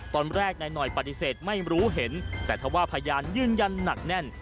ตอนแรกนายหน่อยปฏิเสธไม่รู้เห็นแต่ถ้าว่าพยานยืนยันหนักแน่น